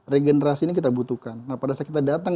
regenerasi ini kita butuhkan nah pada saat kita datang